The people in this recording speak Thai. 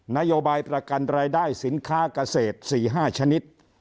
นโยบายประกันรายได้สินค้าเกษตร๔๕ชนิด